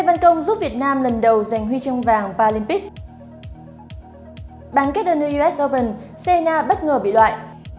bán kết ở new us open senna bất ngờ bị loại